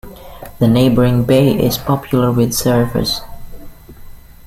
The neighbouring bay is popular with surfers.